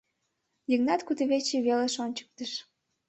— Йыгнат кудывече велыш ончыктыш.